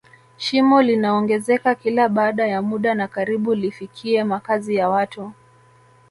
shimo linaongezeka kila baada ya muda na karibu lifikie makazi ya watu